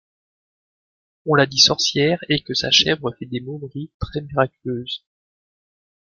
On la dit sorcière, et que sa chèvre fait des momeries très miraculeuses.